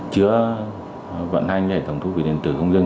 chứa vận hành hệ thống thu phí điện tử không dưng